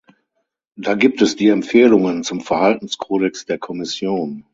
Da gibt es die Empfehlungen zum Verhaltenskodex der Kommission.